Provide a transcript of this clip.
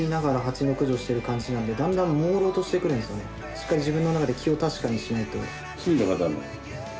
しっかり、自分の中で気を確かにしないと。